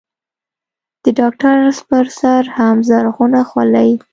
د ډاکتر پر سر هم زرغونه خولۍ.